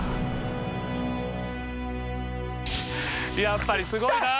やっぱりすごいな。